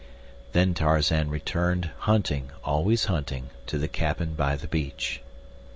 Then Tarzan returned, hunting, always hunting, to the cabin by the beach.